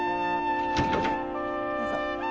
どうぞ。